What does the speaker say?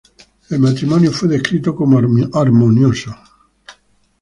El matrimonio fue descrito como armonioso.